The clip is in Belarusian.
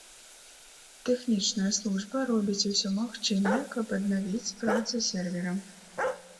Тэхнічная служба робіць усё магчымае, каб аднавіць працу сервера.